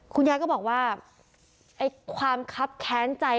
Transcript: คุณยายก็บอกว่าไอ้ความคับแค้นใจ